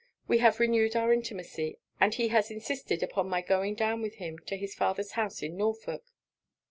We have renewed our intimacy; and he has insisted upon my going down with him to his father's house in Norfolk.'